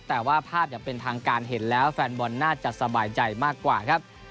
แต่ว่าภาพอย่างเป็นทางการเห็นแล้วแฟนบอลน่าจะสบายใจมากกว่าครับ